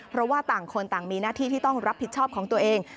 เพราะว่าต่างคนต่างมีหน้าที่ที่ต้องรับผิดชอบของตัวเอง